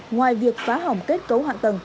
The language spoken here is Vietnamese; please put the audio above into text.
ngoài việc phá hỏng kết cấu hoạn tầng